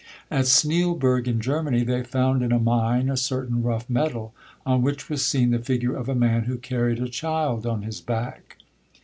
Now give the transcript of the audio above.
At Sneilberg, in Germany, they found in a mine a certain rough metal, on which was seen the figure of a man, who carried a child on his back.